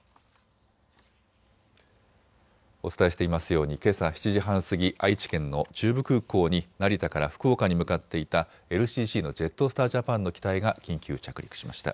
お伝えしていますようにけさ７時半過ぎ愛知県の中部空港に成田から福岡に向かっていたＬＣＣのジェットスター・ジャパンの機体が緊急着陸しました。